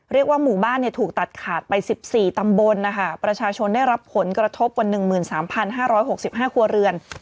เรียกว่าหมู่บ้านเนี่ยถูกตัดขาดไปสิบสี่ตำบลนะคะประชาชนได้รับผลกระทบวันหนึ่งหมื่นสามพันห้าร้อยหกสิบห้าครัวเรือน